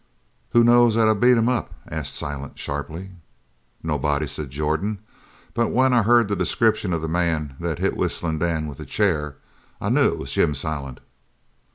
"Who knows that I beat him up?" asked Silent sharply. "Nobody," said Jordan, "but when I heard the description of the man that hit Whistling Dan with the chair, I knew it was Jim Silent."